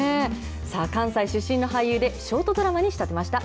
さあ、関西出身の俳優で、ショートドラマに仕立てました。